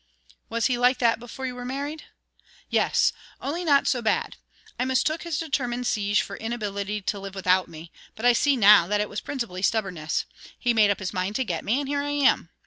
"Was he like that before you were married?" "Yes, only not so bad. I mistook his determined siege for inability to live without me, but I see now that it was principally stubbornness. He made up his mind to get me, and here I am.